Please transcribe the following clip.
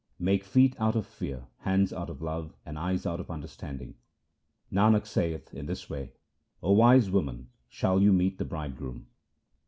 SLOKS OF GURU ANGAD Make feet out of fear, hands out of love, and eyes out of understanding. Nanak saith, in this way, O wise women, shall you meet the Bridegroom.